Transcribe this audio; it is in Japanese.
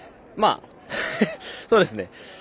そうですね